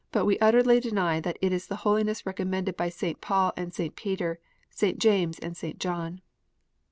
15 we utterly deny that it is the holiness recommended by St. Paul and St. Peter, St. James and St. John.